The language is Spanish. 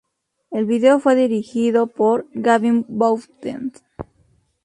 El video fue dirigido por Gavin Bowden.